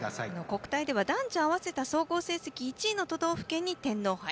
国体では男女合わせた総合成績１位の都道府県に天皇杯。